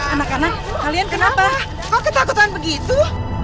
anak anak kalian kenapa kok ketakutan begitu